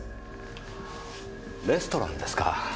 レストランですか。